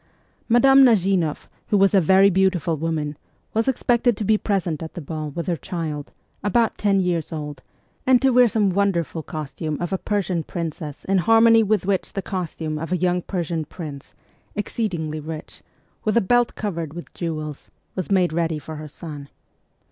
Madame Nazimoff, who was a very beautiful woman, was expected to be present at the ball with her child, about ten years old, and to wear some wonderful costume of a Persian princess in harmony with which the costume of a young Persian prince, exceedingly rich, with a belt covered with jewels, was made ready for her son.